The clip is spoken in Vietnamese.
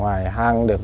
đã vô trường